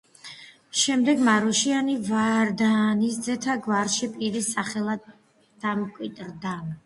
შემდეგ „მარუშიანი“ ვარდანისძეთა გვარში პირის სახელად დამკვიდრდა.